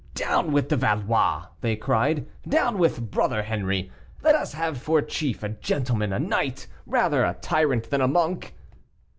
"Down with the Valois!" they cried, "down with Brother Henri! Let us have for chief a gentleman, a knight, rather a tyrant than a monk."